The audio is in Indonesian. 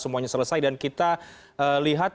semuanya selesai dan kita lihat